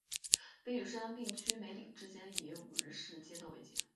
北与杉并区梅里之间以五日市街道为界。